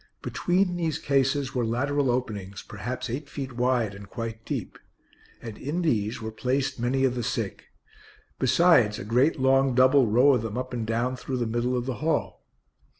Between these cases were lateral openings, perhaps eight feet wide, and quite deep, and in these were placed many of the sick; besides a great long double row of them up and down through the middle of the hall.